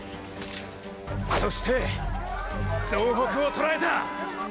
そして総北をとらえたァ！！